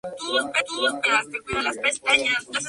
Mató a todos a los que se pudo acercar.